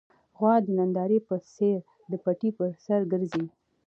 غوا د نندارې په څېر د پټي پر سر ګرځي.